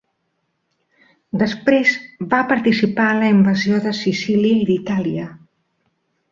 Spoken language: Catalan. Després va participar en la invasió de Sicília i d'Itàlia.